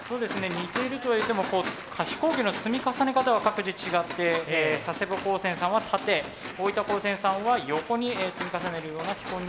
似ているとはいっても飛行機の積み重ね方は各自違って佐世保高専さんは縦大分高専さんは横に積み重ねるような機構になっています。